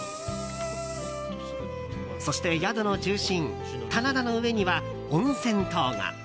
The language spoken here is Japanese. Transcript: そして、宿の中心棚田の上には温泉棟が。